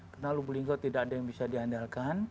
karena lubuk linggal tidak ada yang bisa diandalkan